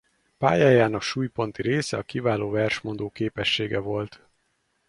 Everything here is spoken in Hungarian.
Pályájának súlyponti része a kiváló versmondó képessége volt.